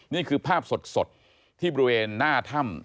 นี่คือภาพสดที่บริเวณหน้าถ้ำ